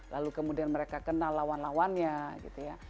lalu kemudian mereka kenal lawan lawannya gitu ya